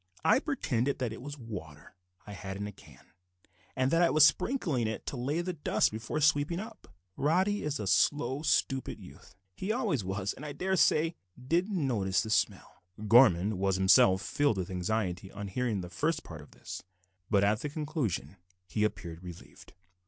I pretended that it was water I had in the can, and that I was sprinkling it to lay the dust before sweeping up. Roddy is a slow, stupid youth; he always was, and, I daresay, did not notice the smell." Gorman was himself filled with anxiety on hearing the first part of this, but at the conclusion he appeared relieved.